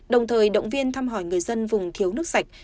đồng thời động viên thăm hỏi người dân vùng thiếu nước sạch